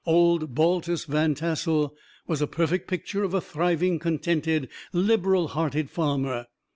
Old Baltus Van Tassel was a perfect picture of a thriving, contented, liberal hearted farmer.